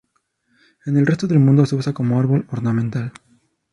En el resto del mundo se usa como árbol ornamental.